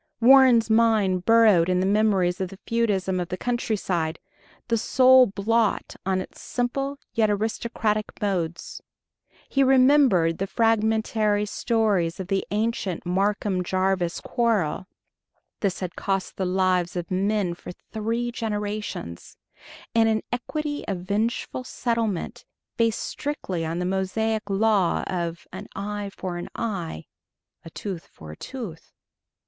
Warren's mind burrowed in the memories of the feudism of the countryside, the sole blot on its simple yet aristocratic modes. He remembered the fragmentary stories of the ancient Marcum Jarvis quarrel ... this had cost the lives of men for three generations, in an equity of vengeful settlement based strictly on the Mosaic law of "an eye for an eye a tooth for a tooth."